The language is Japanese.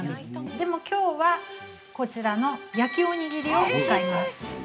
でもきょうは、こちらの焼きおにぎりを使います。